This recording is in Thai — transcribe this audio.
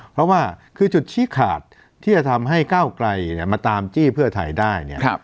เพราะว่าคือจุดชี้ขาดที่จะทำให้ก้าวไกลมาตามจี้เพื่อไทยได้เนี่ย